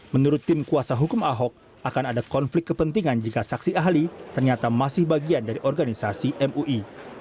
menurut tim kuasa hukum ahok akan ada konflik kepentingan jika saksi ahli ternyata masih bagian dari organisasi mui